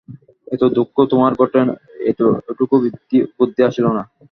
এত দুঃখেও তোমার ঘটে এইটুকু বুদ্ধি আসিল না?